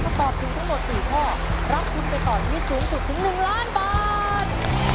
ถ้าตอบถูกทั้งหมด๔ข้อรับทุนไปต่อชีวิตสูงสุดถึง๑ล้านบาท